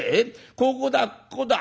ここだここだ。